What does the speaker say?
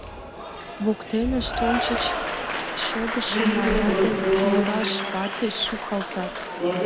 Воктенышт ончыч шогышо Майра ден пӱраш вате сукалтат.